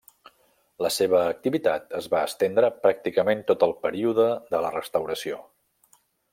La seva activitat es va estendre pràcticament tot el període de la Restauració.